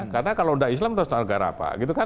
karena kalau tidak islam terus negara apa